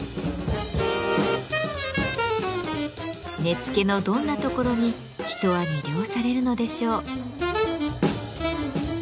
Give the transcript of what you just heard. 根付のどんなところに人は魅了されるのでしょう？